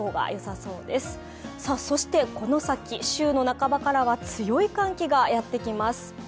そしてこの先、週の半ばからは強い寒気がやってきます。